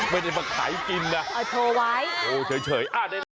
ไม่ได้มาขายกินนะเท่าไว้เฉย